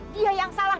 dia yang salah